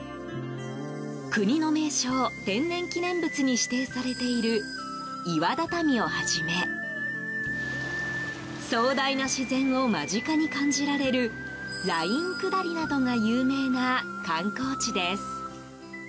国の名勝、天然記念物に指定されている岩畳をはじめ壮大な自然を間近に感じられるライン下りなどが有名な観光地です。